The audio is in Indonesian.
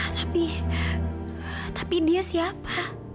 tapi tapi dia siapa